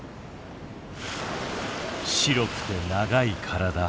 白くて長い体。